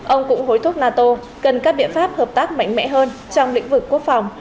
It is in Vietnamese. ông cũng hối thúc nato cần các biện pháp hợp tác mạnh mẽ hơn trong lĩnh vực quốc phòng